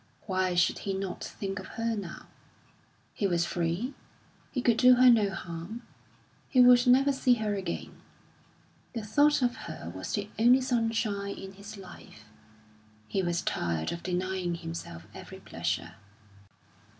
Why should he not think of her now? He was free; he could do her no harm; he would never see her again. The thought of her was the only sunshine in his life; he was tired of denying himself every pleasure.